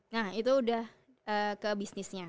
nah itu udah ke bisnisnya